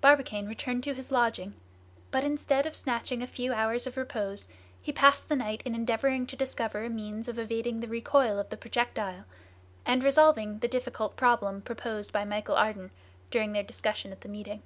Barbicane returned to his lodging; but instead of snatching a few hours of repose, he passed the night in endeavoring to discover a means of evading the recoil of the projectile, and resolving the difficult problem proposed by Michel Ardan during the discussion at the meeting.